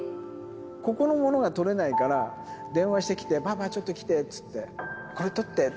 ここのものが取れないから、電話してきて、パパちょっと来てって言って、これ取って。